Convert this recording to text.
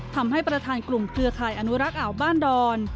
ทำให้ประธานกลุ่มเครือข่ายอนุรักษ์อ่าวบ้านดอน